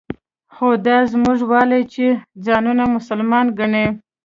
خو دا زموږ والا چې ځانونه مسلمانان ګڼي.